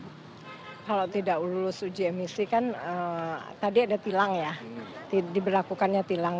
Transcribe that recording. kalau tidak lulus uji emisi kan tadi ada tilang ya diberlakukannya tilang